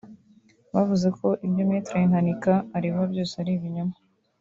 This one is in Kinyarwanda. Bavuze ko ibyo Me Nkanika aregwa byose ari ibinyoma